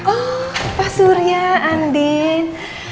oh pak surya andin